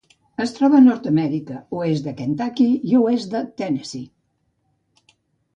Es troba a Nord-amèrica: oest de Kentucky i oest de Tennessee.